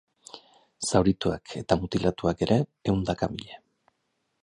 Zaurituak eta mutilatuak ere ehundaka mila.